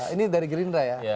ini dari gerindra ya